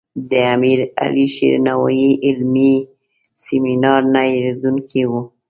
د امیر علي شیر نوایي علمي سیمینار نه هیریدونکی و.